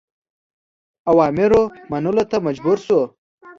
اوامرو منلو ته مجبور شو.